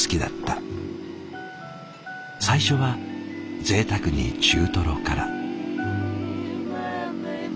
最初はぜいたくに中トロから。